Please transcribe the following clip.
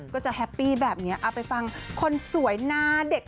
ก็จะแฮปปี้แบบนี้เอาไปฟังคนสวยหน้าเด็ก